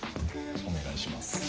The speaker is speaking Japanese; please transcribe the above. お願いします。